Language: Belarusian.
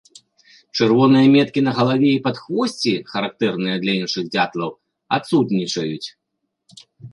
Чырвоныя меткі на галаве і падхвосці, характэрныя для іншых дзятлаў, адсутнічаюць.